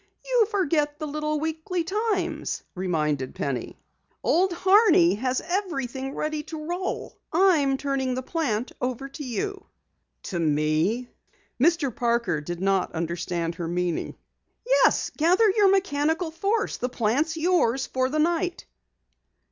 "You forget the little Weekly Times," reminded Penny. "Old Homey has everything ready to roll. I'm turning the plant over to you." "To me?" Mr. Parker did not understand her meaning. "Yes, gather your mechanical force. The plant's yours for the night."